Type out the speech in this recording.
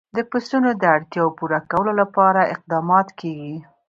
د پسونو د اړتیاوو پوره کولو لپاره اقدامات کېږي.